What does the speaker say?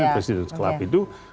presiden club gitu ya